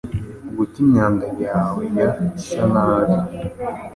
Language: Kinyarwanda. guta imyanda yawe ya isa nabi